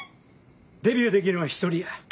デビューできるんは１人や。